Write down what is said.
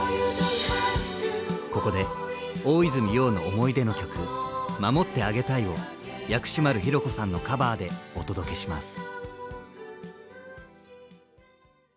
ここで大泉洋の思い出の曲「守ってあげたい」を薬師丸ひろ子さんのカバーでお届けします。